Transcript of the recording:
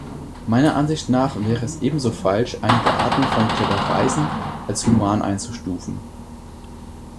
Meiner Ansicht nach wäre es ebenso falsch, einige Arten von Tellereisen als "human" einzustufen.